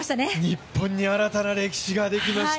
日本に新たな歴史ができました。